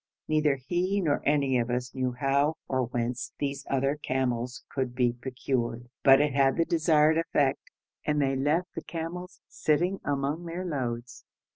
Neither he nor any of us knew how or whence these other camels could be procured, but it had the desired effect, and they left the camels sitting among their loads.